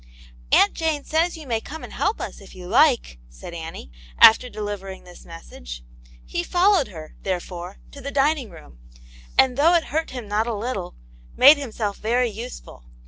" Aunt Jane says you may come and help us, if you like," said Annie, after delivering this message. He followed her, therefore, to the dining room, and, though it hurt him not a little, made himself very useful.